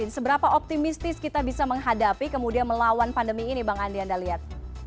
seberapa optimistis kita bisa menghadapi kemudian melawan pandemi ini bang andi anda lihat